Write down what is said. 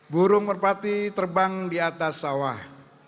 burung merpati terbang di atas sawah